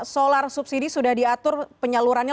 solar subsidi sudah diatur penyalurannya